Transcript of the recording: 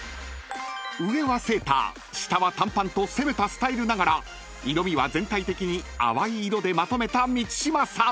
［上はセーター下は短パンと攻めたスタイルながら色みは全体的に淡い色でまとめた満島さん］